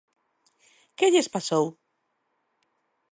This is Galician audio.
¿Que lles pasou?